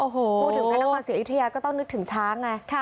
พูดถึงพระนครศรีอยุธยาก็ต้องนึกถึงช้างไง